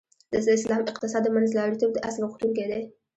د اسلام اقتصاد د منځلاریتوب د اصل غوښتونکی دی .